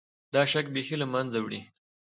دا شک بیخي له منځه وړي.